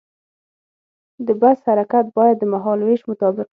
د بس حرکت باید د مهال ویش مطابق وي.